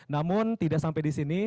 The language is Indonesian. namun tidak sampai disini